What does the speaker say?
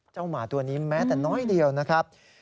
หมาตัวนี้แม้แต่น้อยเดียวนะครับ